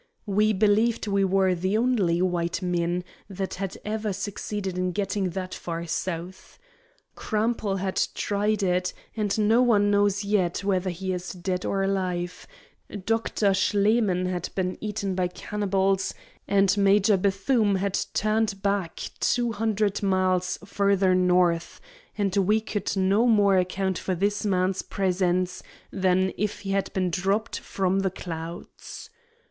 We believed we were the only white men that had ever succeeded in getting that far south. Crampel had tried it, and no one knows yet whether he is dead or alive; Doctor Schlemen had been eaten by cannibals, and Major Bethume had turned back two hundred miles farther north; and we could no more account for this man's presence than if he had been dropped from the clouds.